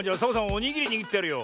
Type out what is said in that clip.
おにぎりにぎってやるよ。